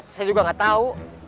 saya juga nggak tahu